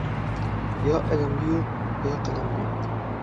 يا ئەلەمدە يوق، يا قەلەمدە يوق.